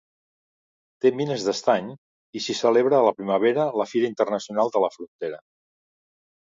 Té mines d'estany i s'hi celebra a la primavera la fira Internacional de la Frontera.